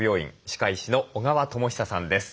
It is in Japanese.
歯科医師の小川智久さんです。